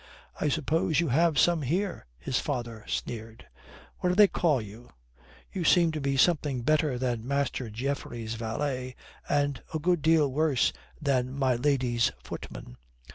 "I suppose you have some here," his father sneered. "What do they call you? You seem to be something better than Master Geoffrey's valet and a good deal worse than my lady's footman."